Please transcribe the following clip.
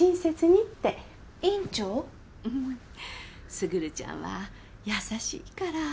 卓ちゃんは優しいから。